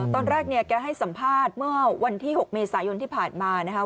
ตอนแรกเนี่ยแกให้สัมภาษณ์เมื่อวันที่๖เมษายนที่ผ่านมานะคะ